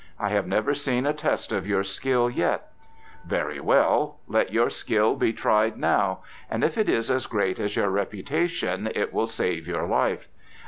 I have never seen a test of your skill yet; very well, let your skill be tried now, and if it is as great as your reputation it will save your life.